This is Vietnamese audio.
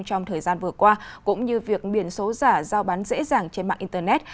trong thời gian vừa qua cũng như việc biển số giả giao bán dễ dàng trên mạng internet